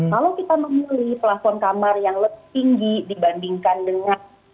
kalau kita memilih plafon kamar yang lebih tinggi dibandingkan dengan